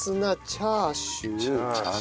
チャーシューもね。